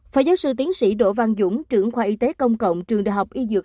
phó giáo sư tiến sĩ đỗ văn dũng trưởng khoa y tế công cộng trường đại học y dược